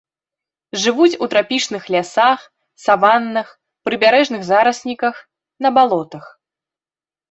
Жывуць у трапічных лясах, саваннах, прыбярэжных зарасніках, на балотах.